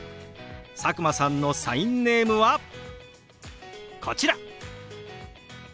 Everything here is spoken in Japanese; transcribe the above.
佐久間さんのサインネームはこちら！